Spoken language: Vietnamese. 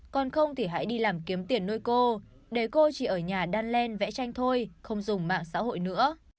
còn không thì hãy đi làm kiếm tiền nuôi cô để cô chỉ ở nhà đan lên vẽ tranh thôi không dùng mạng xã hội nữa